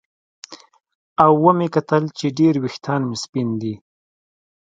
او ومې کتل چې ډېر ویښتان مې سپین دي